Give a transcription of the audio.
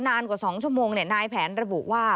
นานกว่า๒ชั่วโมงนายแผนระบุว่า